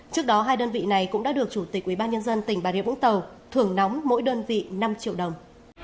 trước đó hai đơn vị này cũng đã được chủ tịch ubnd tỉnh bà rịa vũng tàu thưởng nóng mỗi đơn vị năm triệu đồng